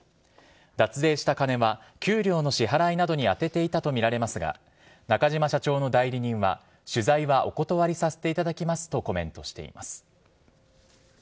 脱税した金は、給料の支払いなどに充てていたと見られますが、中嶋社長の代理人は、取材はお断りさせていただきますとコメントしています。